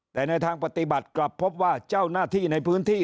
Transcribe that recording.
แต่ในทางปฏิบัติกลับพบว่าเจ้าหน้าที่ในพื้นที่